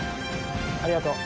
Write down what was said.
ありがとう。